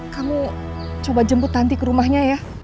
kamu coba jemput nanti ke rumahnya ya